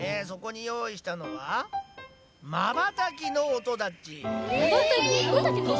そこによういしたのはまばたきの音だっち。